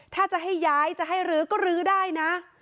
ถ้าจะให้ย้ายจะให้รื้อก็ลื้อได้นะ